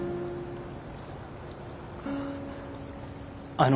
あの。